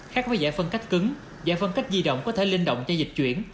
khác với giải phân cách cứng giải phân cách di động có thể linh động cho dịch chuyển